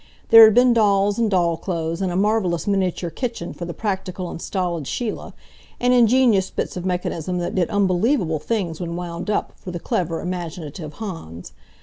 There had been dolls and doll clothes and a marvelous miniature kitchen for the practical and stolid Sheila, and ingenious bits of mechanism that did unbelievable things when wound up, for the clever, imaginative Hans.